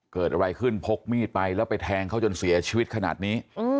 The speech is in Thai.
เกิดอะไรขึ้นพกมีดไปแล้วไปแทงเขาจนเสียชีวิตขนาดนี้